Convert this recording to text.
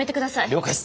了解っす